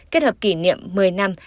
kết hợp kỷ niệm một mươi năm